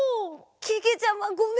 けけちゃまごめん。